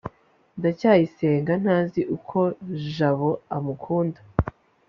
ndacyayisenga ntazi uko jabo amukunda